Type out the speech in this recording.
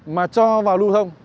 mà cho vào lưu thông